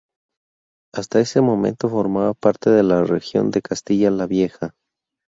Hasta ese momento formaba parte de la región de Castilla la Vieja.